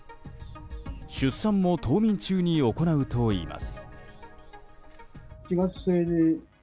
出産も冬眠中に行うといいます。